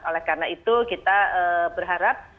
oleh karena itu kita berharap